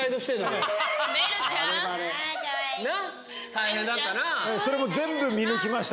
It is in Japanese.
大変だったな。